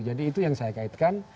jadi itu yang saya kaitkan